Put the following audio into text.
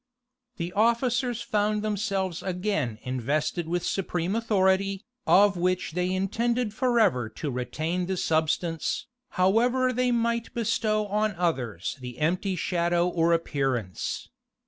The officers found themselves again invested with supreme authority, of which they intended forever to retain the substance, however they might bestow on others the empty shadow or appearance.